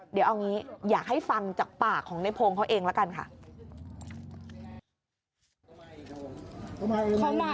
เดี๋ยวเอางี้อยากให้ฟังจากปากของในพงศ์เขาเองละกันค่ะ